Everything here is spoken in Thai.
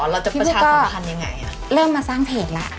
พี่ผู้ก็แล้วจะประชาสำคัญยังไงอะเริ่มมาสร้างเพจละ